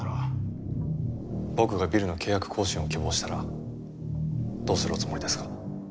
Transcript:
僕がビルの契約更新を希望したらどうするおつもりですか？